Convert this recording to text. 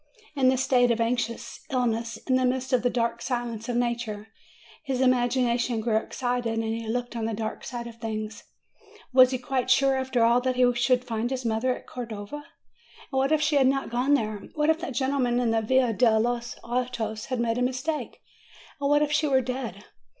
In this state of anxious illness, in the midst of that dark silence of nature, his imagination grew excited, and looked on the dark side of things. Was he quite sure, after all, that he should find his mother at Cordova? And what if she had not gone there? What if that gentleman in the Via del los Artes had made a mistake? And what if she were dead?